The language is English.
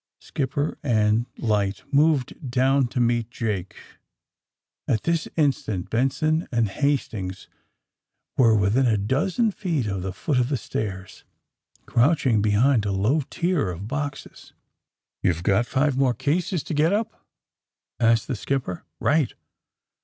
Skipper and light moved dewn to meet Jake. At this instant Benson and Hastings were within a dozen feet of the foot of the stairs, crouching behind a low tier of boxes. '^YouVe got five more cases to get up?" asked the skipper. *^ Right."